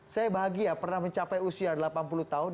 saya bahagia pernah mencapai usia delapan puluh tahun